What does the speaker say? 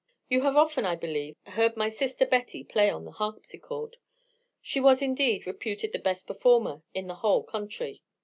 "You have often, I believe, heard my sister Betty play on the harpsichord; she was, indeed, reputed the best performer in the whole country.